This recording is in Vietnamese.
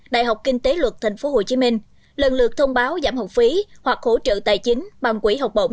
đại học kinh tế luật tp hcm lần lượt thông báo giảm học phí hoặc hỗ trợ tài chính bằng quỹ học bổng